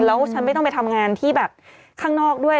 แล้วฉันไม่ต้องไปทำงานที่แบบข้างนอกด้วย